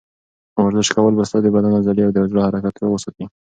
ورزش کول به ستا د بدن عضلې او د زړه حرکت روغ وساتي.